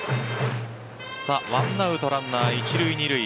ワンアウトランナー、１塁２塁。